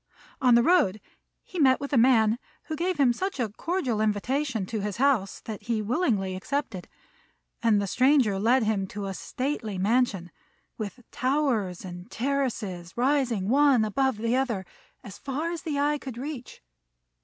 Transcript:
On the road he met with a man who gave him such a cordial invitation to his house that he willingly accepted; and the stranger led him to a stately mansion, with towers and terraces rising one above the other as far as the eye could reach.